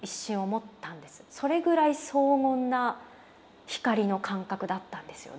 それぐらい荘厳な光の感覚だったんですよね。